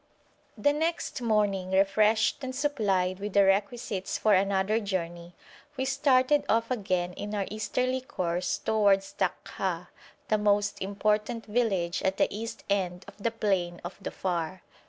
The next morning, refreshed and supplied with the requisites for another journey, we started off again in our easterly course towards Takha, the most important village at the east end of the plain of Dhofar.